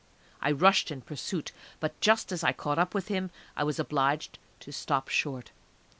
I rushed in pursuit, but just as I caught up with him I was obliged to stop short.